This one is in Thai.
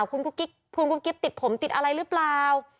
คุณกุ๊กคุณกุ๊กกิ๊บติดผมติดอะไรหรือเปล่า